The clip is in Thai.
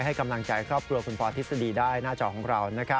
ให้กำลังใจครอบครัวคุณปอทฤษฎีได้หน้าจอของเรา